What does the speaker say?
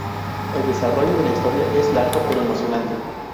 El desarrollo de la historia es largo pero emocionante.